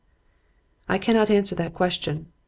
I cannot answer the question.